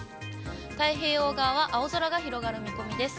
太平洋側は青空が広がる見込みです。